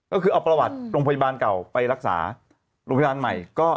ก็คือเอาประวัติโรงพยาบาลเก่าไปรักษาโรงพยาบาลใหม่